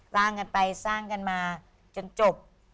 สร้างกันไปสร้างกันมาจนจบ